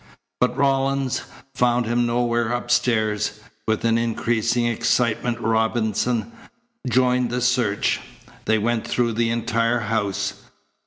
But Rawlins found him nowhere upstairs. With an increasing excitement Robinson joined the search. They went through the entire house.